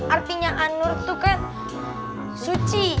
artinya anur itu kan suci